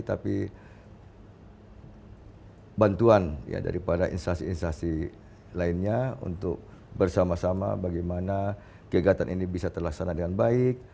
tapi bantuan ya daripada instansi instansi lainnya untuk bersama sama bagaimana kegiatan ini bisa terlaksana dengan baik